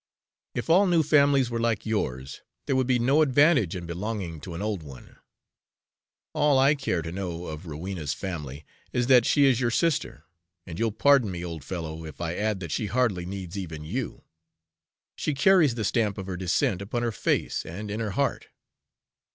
If all new families were like yours, there would be no advantage in belonging to an old one. All I care to know of Rowena's family is that she is your sister; and you'll pardon me, old fellow, if I add that she hardly needs even you, she carries the stamp of her descent upon her face and in her heart."